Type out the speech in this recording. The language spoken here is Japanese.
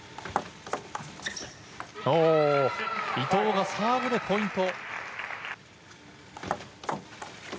伊藤がサーブでポイント。